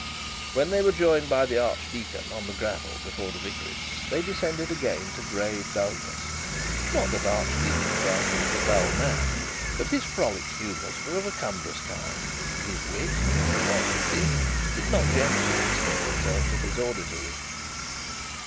When they were joined by the archdeacon on the gravel before the vicarage, they descended again to grave dullness. Not that Archdeacon Grantly was a dull man; but his frolic humours were of a cumbrous kind; and his wit, when he was witty, did not generally extend itself to his auditory.